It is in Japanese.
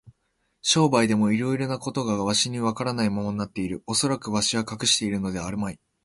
商売でもいろいろなことがわしにはわからないままになっている。おそらくわしに隠してあるのではあるまい。